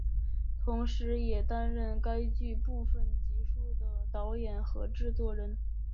同时也担任该剧部分集数的导演和制作人。